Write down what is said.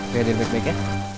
biar di backpack ya